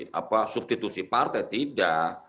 bukan kita menjadi substitusi partai tidak